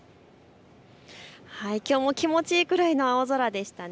きょうも気持ちいいくらいの青空でしたね。